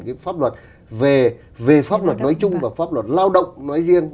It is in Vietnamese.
cái pháp luật về pháp luật nói chung và pháp luật lao động nói riêng